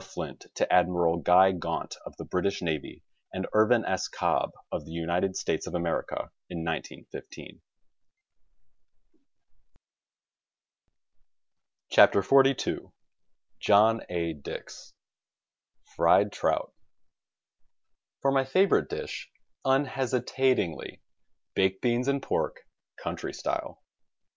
Flint to Admiral Guy Gaunt of the British Navy and Irvin S. Cobb of the United States of America in 1915. THE STAG COOK BOOK XLII John A. Dix FRIED TROUT For my favorite dish — unhesitatingly — baked beans and pork, country style.